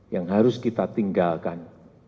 yang harus kita tinggalkan